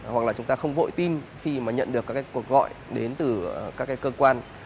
hoặc là chúng ta không vội tin khi mà nhận được các cái cuộc gọi đến từ các cái cơ quan